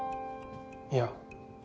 いや。